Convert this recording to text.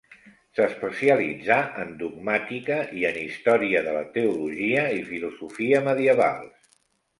S'especialitzà en dogmàtica i en història de la teologia i filosofia medievals.